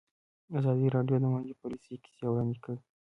ازادي راډیو د مالي پالیسي کیسې وړاندې کړي.